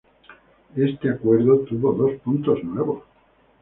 Este acuerdo, tuvo dos puntos nuevos.